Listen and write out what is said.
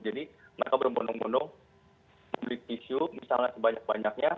jadi mereka berbondong bondong membeli tisu misalnya sebanyak banyaknya